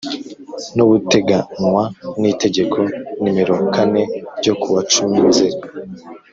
n ubuteganywa n itegeko Nimero kane ryo ku wa cumi nzeri